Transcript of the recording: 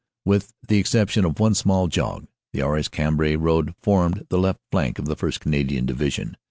"With the exception of one small jog, the Arras Cambrai road formed the left flank of the 1st. Canadian Division.